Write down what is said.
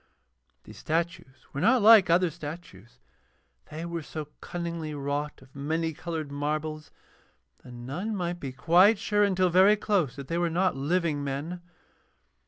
These statues were not like other statues, they were so cunningly wrought of many coloured marbles that none might be quite sure until very close that they were not living men.